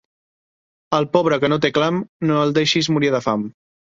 Al pobre que no té clam, no el deixis morir de fam.